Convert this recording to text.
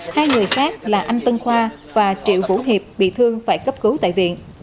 hai người khác là anh tân khoa và triệu vũ hiệp bị thương phải cấp cứu tại viện